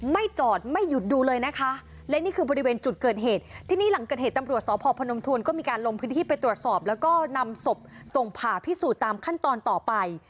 ไม่จอดไม่หยุดดูเลยนะคะและนี่คือบริเวณจุดเกิดเหตุที่นี่หลังเกิดเหตุตำรวจสพพนมทวนก็มีการลงพื้นที่ไปตรวจสอบแล้วก็นำศพส่งผ่าพิสูจน์ตามขั้นตอนต่อไป